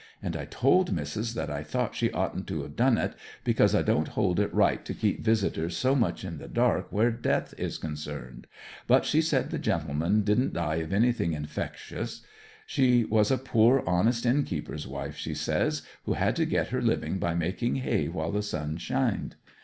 'And I told missis that I thought she oughtn't to have done it, because I don't hold it right to keep visitors so much in the dark where death's concerned; but she said the gentleman didn't die of anything infectious; she was a poor, honest, innkeeper's wife, she says, who had to get her living by making hay while the sun sheened.